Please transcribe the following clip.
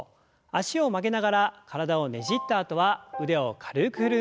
脚を曲げながら体をねじったあとは腕を軽く振る運動です。